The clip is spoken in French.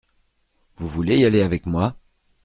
Vous voulez y aller avec moi ?